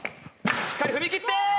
しっかり踏み切って。